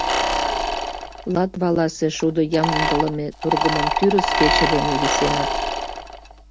Латваласе шудо ямдылыме тургымым тӱрыс кече дене висеныт.